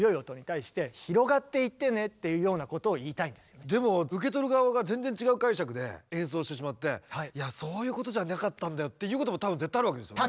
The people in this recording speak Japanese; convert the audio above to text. この「ターン」っていうでも受け取る側が全然違う解釈で演奏してしまって「いやそういうことじゃなかったんだよ」っていうことも多分絶対あるわけですよね。